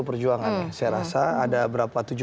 perjuangan saya rasa ada berapa